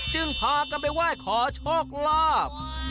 พากันไปไหว้ขอโชคลาภ